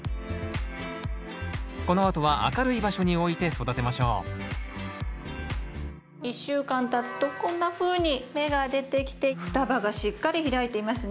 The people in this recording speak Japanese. このあとは明るい場所に置いて育てましょう１週間たつとこんなふうに芽が出てきて双葉がしっかり開いていますね。